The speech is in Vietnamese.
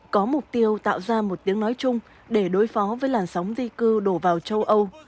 có mục tiêu tạo ra một tiếng nói chung để đối phó với làn sóng di cư đổ vào châu âu